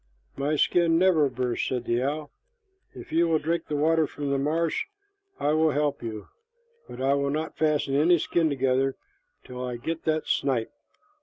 "My skin never bursts," said the owl. "If you will drink the water from the marsh, I will help you, but I will not fasten any skin together till I get that snipe."